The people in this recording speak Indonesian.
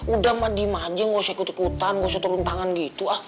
udah ma di majeng gak usah ikut ikutan gak usah turun tangan gitu ah